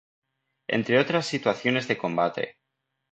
Entre otras situaciones de combate.